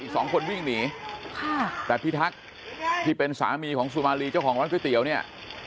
สองคนวิ่งหนีค่ะแต่พิทักษ์ที่เป็นสามีของสุมารีเจ้าของร้านก๋วยเตี๋ยวเนี่ย